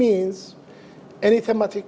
segala channel tematik